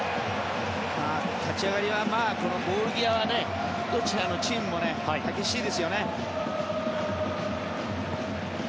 立ち上がりはボール際はどちらのチームも激しいですよね。